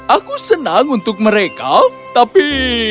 aku senang untuk mereka tapi